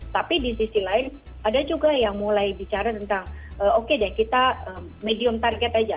tapi di sisi lain ada juga yang mulai bicara tentang oke deh kita medium target aja